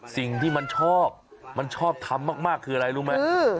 สิ่งที่มันชอบมันชอบทำมากคืออะไรรู้ไหม